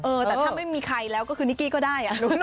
เออแต่ถ้าไม่มีใครแล้วก็คือนิกกี้ก็ได้